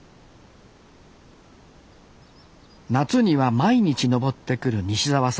夏には毎日登ってくる西澤さん。